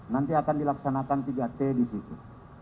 nanti akan dilaksanakan tiga t di situ